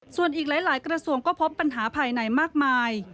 ส่วนอีกหลายกระทรวงก็พบปัญหาภายในมากมาย